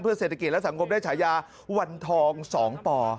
เศรษฐกิจและสังคมได้ฉายาวันทอง๒ป่อ